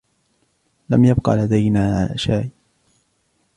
لم يبقى لدينا شاي.